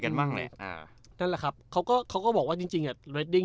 กันบ้างแหละอ่านั่นแหละครับเขาก็เขาก็บอกว่าจริงจริง